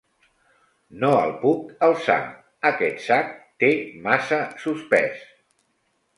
No el puc alçar, aquest sac: té massa sospès.